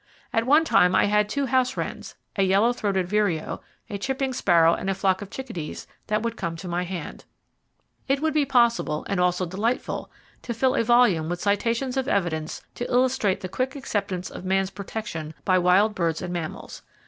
At one time I had two house wrens, a yellow throated vireo, a chipping sparrow and a flock of chickadees that would come to my hand." SIX WILD CHIPMUNKS DINE WITH MR. LORING It would be possible—and also delightful—to fill a volume with citations of evidence to illustrate the quick acceptance of man's protection by wild birds and mammals.